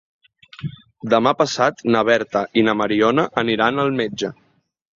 Demà passat na Berta i na Mariona aniran al metge.